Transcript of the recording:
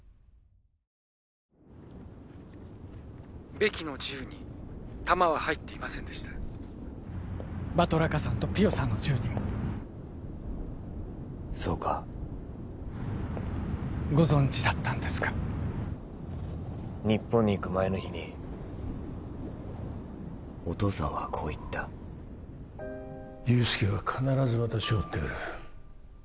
☎ベキの銃に弾は入っていませんでしたバトラカさんとピヨさんの銃にもそうかご存じだったんですか日本に行く前の日にお父さんはこう言った憂助は必ず私を追ってくる